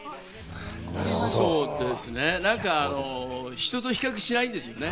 人と比較しないんですよね。